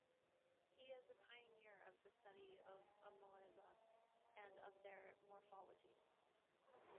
He is a pioneer of the study of Amoeba and of their morphology.